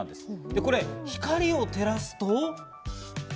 これ、光を照らすと。